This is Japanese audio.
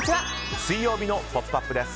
水曜日の「ポップＵＰ！」です。